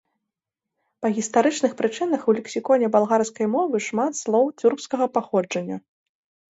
Па гістарычных прычынах у лексіконе балгарскай мовы шмат слоў цюркскага паходжання.